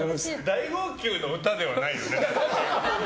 大号泣の歌ではないよね。